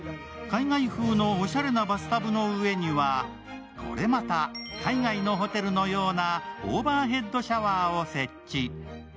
海外風のおしゃれのバスタブの上には、これまた海外のホテルのようなオーバーヘッドシャワーを設置。